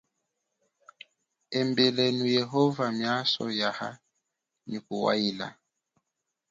Embilenu Yehova miaso yaha nyi kuwaila.